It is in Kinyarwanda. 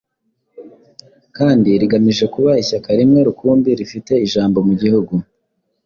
kandi "rigamije kuba ishyaka rimwe rukumbi rifite ijambo mu gihugu".